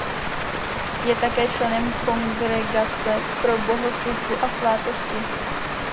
Je také členem Kongregace pro bohoslužbu a svátosti.